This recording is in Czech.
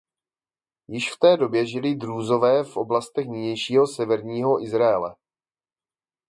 Již v té době žili Drúzové v oblastech nynějšího severního Izraele.